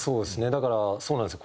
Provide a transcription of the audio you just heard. だからそうなんですよ。